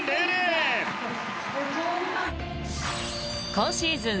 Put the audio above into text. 今シーズン